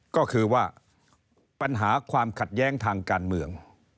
ก็คือว่าปัญหาความขัดแย้งทางการเมือง